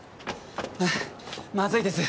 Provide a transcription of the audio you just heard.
はぁまずいです